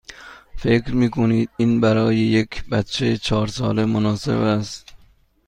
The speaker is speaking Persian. فکر می کنید این برای یک بچه چهار ساله مناسب است؟